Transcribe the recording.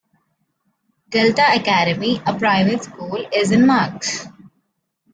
Delta Academy, a private school, is in Marks.